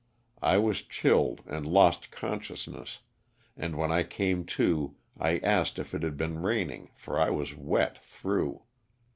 I was chilled and lost consciousness, and when I came to I asked if it had been raining for I was wet through.